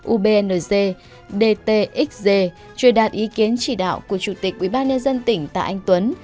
ubnd dtxg truyền đạt ý kiến chỉ đạo của chủ tịch ubnd tỉnh tại anh tuấn